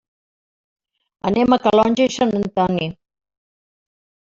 Anem a Calonge i Sant Antoni.